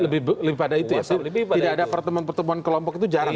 lebih pada itu ya tidak ada pertemuan pertemuan kelompok itu jarang